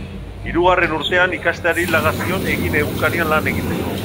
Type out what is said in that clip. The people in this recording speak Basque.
Hirugarren urtean, ikasteari laga zion Egin egunkarian lan egiteko.